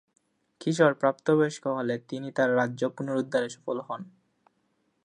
কিশোর প্রাপ্তবয়স্ক হলে তিনি তার রাজ্য পুনরুদ্ধারে সফল হন।